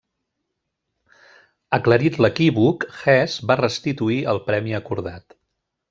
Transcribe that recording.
Aclarit l'equívoc, Hesse va restituir el premi acordat.